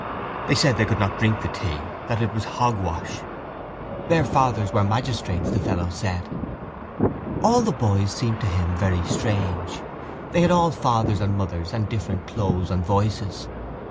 They said they could not drink the tea; that it was hogwash. Their fathers were magistrates, the fellows said. All the boys seemed to him very strange. They had all fathers and mothers and different clothes and voices.